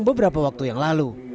beberapa waktu yang lalu